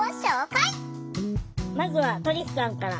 まずはトリスさんから。